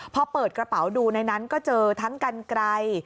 พอเปิดกระเป๋าดูในนั้นก็เจอทั้งกันไกล